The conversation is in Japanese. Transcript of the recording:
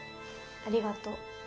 ありがとう。